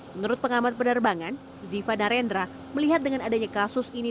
menurut pengamat penerbangan ziva narendra melihat dengan adanya kasus ini